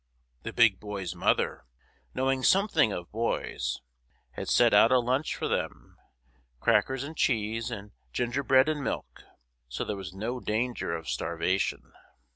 The Big Boy's mother, knowing something of boys, had set out a lunch for them, crackers and cheese, and gingerbread and milk, so there was no danger of starvation.